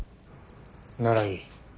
ならいい。